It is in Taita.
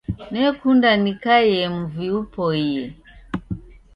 Nekunda nikaie mvi upoie